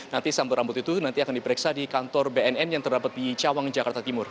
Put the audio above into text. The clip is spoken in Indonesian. nanti sambal rambut itu nanti akan diperiksa di kantor bnn yang terdapat di cawang jakarta timur